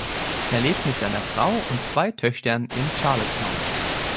Er lebt mit seiner Frau und zwei Töchtern in Charlottetown.